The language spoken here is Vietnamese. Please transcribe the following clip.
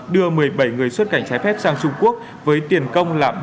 đưa một mươi bảy người xuất cảnh trái phép sang trung quốc